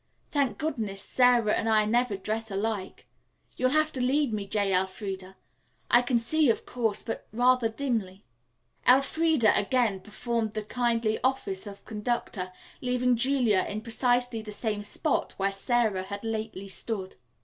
"Thank goodness, Sarah and I never dress alike. You'll have to lead me, J. Elfreda Briggs. I can see, of course; but rather dimly." Elfreda again performed the kindly office of conductor, leaving Julia in precisely the same spot where Sara had lately stood.